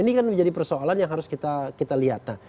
ini kan menjadi persoalan yang harus kita lihat